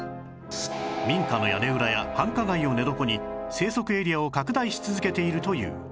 民家の屋根裏や繁華街を寝床に生息エリアを拡大し続けているという